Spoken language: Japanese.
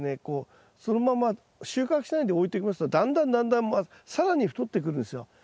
こうそのまま収穫しないで置いておきますとだんだんだんだん更に太ってくるんですよ。